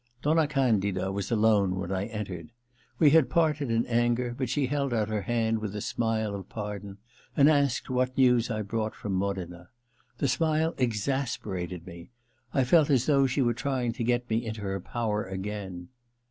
Donna Candida was alone when I entered. We had parted in anger, but she held out her hand with a smile of pardon, and asked what news I brought from Modena. The smile exasperated me : I felt as though she were trying to get me into her power again.